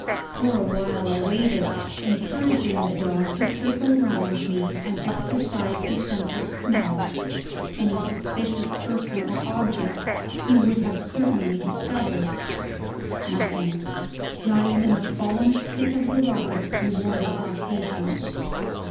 For a while I waited, encouraging the dog to circle round me and exercise his sense of smell. Any suspicious person or object he would have certainly discovered. Nothing not even the fallen stick of the rocket rewarded our patience.